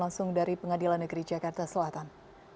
langsung dari pengadilan negeri jakarta selatan